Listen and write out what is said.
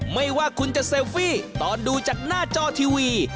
ไม่ว่าคุณจะเซลฟี่ตอนดูจากหน้าจอทีวี